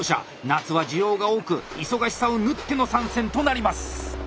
夏は需要が多く忙しさを縫っての参戦となります！